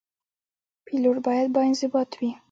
پیلوټ باید باانضباط وي.